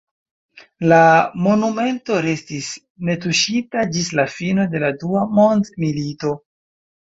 La monumento restis netuŝita ĝis la fino de la Dua mondmilito.